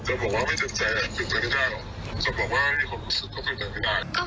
อ๋อเอ้ยแต่งน่ะ